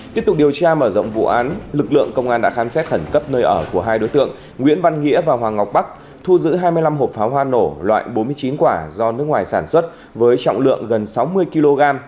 tiếp tục điều tra mở rộng vụ án lực lượng công an đã khám xét khẩn cấp nơi ở của hai đối tượng nguyễn văn nghĩa và hoàng ngọc bắc thu giữ hai mươi năm hộp pháo hoa nổ loại bốn mươi chín quả do nước ngoài sản xuất với trọng lượng gần sáu mươi kg